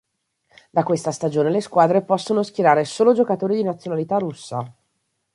Da questa stagione le squadre possono schierare solo giocatori di nazionalità russa.